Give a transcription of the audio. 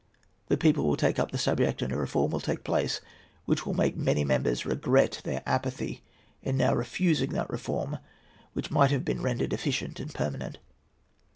The people will take up the subject, and a reform will take place which will make many members regret their apathy in now refusing that reform which might be rendered efficient and permanent.